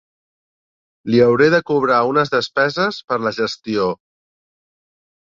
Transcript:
Li hauré de cobrar unes despeses per la gestió.